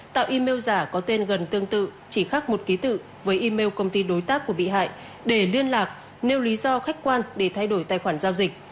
tạo email giả có tên gần tương tự chỉ khác một ký tự với email công ty đối tác của bị hại để liên lạc nêu lý do khách quan để thay đổi tài khoản giao dịch